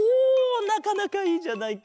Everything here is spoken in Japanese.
なかなかいいじゃないか。